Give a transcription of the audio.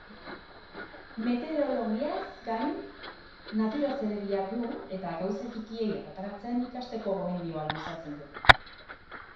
Metereologiaz gain naturaz ere dihardu eta gauza txikiei erreparatzen ikasteko gomendioa luzatzen du.